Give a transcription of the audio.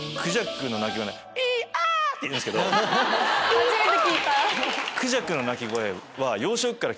初めて聞いた！